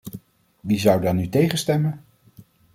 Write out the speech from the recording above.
Wie zou daar nu tegen stemmen?